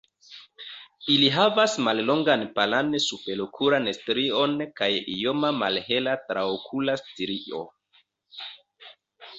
Ili havas mallongan palan superokulan strion kaj ioma malhela traokula strio.